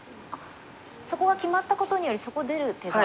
そこが決まったことによりそこ出る手が。